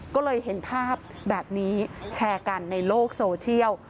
ก็เลยเห็นภาพแบบนี้แชร์กันในโลกโซเชียล